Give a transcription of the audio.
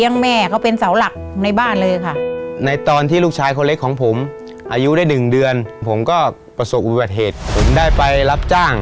ยาชื่อเจาะ